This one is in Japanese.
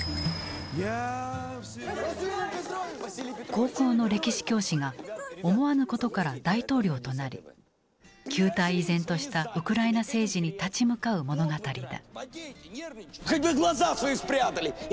高校の歴史教師が思わぬことから大統領となり旧態依然としたウクライナ政治に立ち向かう物語だ。